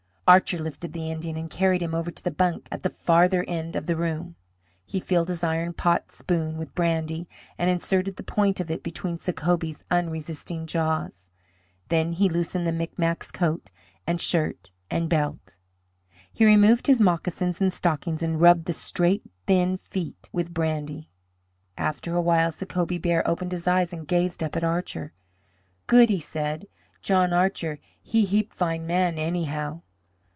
Archer lifted the Indian and carried him over to the bunk at the farther end of the room. He filled his iron pot spoon with brandy, and inserted the point of it between Sacobie's unresisting jaws. Then he loosened the Micmac's coat and shirt and belt. He removed his moccasins and stockings and rubbed the straight thin feet with brandy. After a while Sacobie Bear opened his eyes and gazed up at Archer. "Good!" he said. "John Archer, he heap fine man, anyhow.